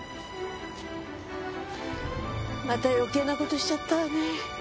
また余計な事しちゃったわね。